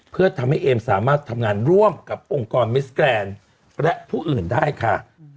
เพื่อทำให้เอมสามารถทำงานร่วมกับองค์กรมิสแกรนด์และผู้อื่นได้ค่ะ